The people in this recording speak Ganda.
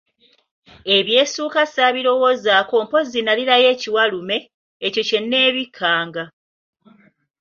Eby'essuuka ssaabirowozaako mpozzi nalinayo ekiwalume, ekyo kye neebikkanga.